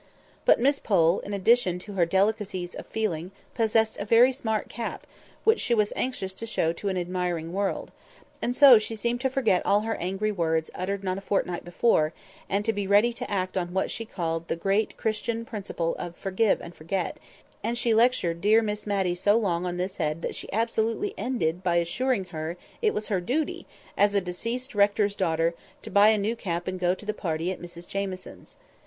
But Miss Pole, in addition to her delicacies of feeling, possessed a very smart cap, which she was anxious to show to an admiring world; and so she seemed to forget all her angry words uttered not a fortnight before, and to be ready to act on what she called the great Christian principle of "Forgive and forget"; and she lectured dear Miss Matty so long on this head that she absolutely ended by assuring her it was her duty, as a deceased rector's daughter, to buy a new cap and go to the party at Mrs Jamieson's.